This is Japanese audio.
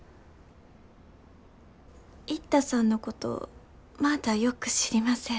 一太さんのことまだよく知りません。